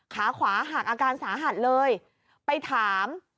ขาขวาหักอาการสาหัสเลยไปถาม